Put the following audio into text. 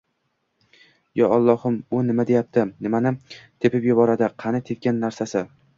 Yo, Allohim, u nima deyapti, nimani tepib yubordi, qani tepgan narsasi